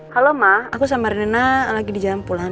halo ma aku sama rina lagi di jalan pulang